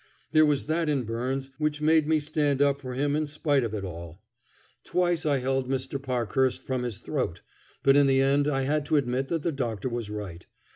There was that in Byrnes which made me stand up for him in spite of it all. Twice I held Dr. Parkhurst from his throat, but in the end I had to admit that the Doctor was right.